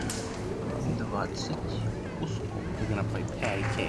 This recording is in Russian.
двадцать кусков